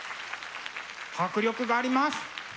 迫力があります。